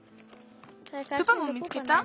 プパも見つけた？